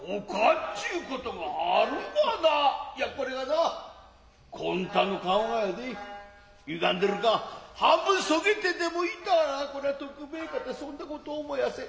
いやこれがなこんたの顔がやでいがんでるか半分そげてでもいたらこりゃ徳兵衛かてそんな事思やせん。